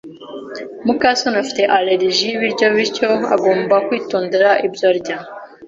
muka soni afite allergie y'ibiryo, bityo agomba kwitondera ibyo arya.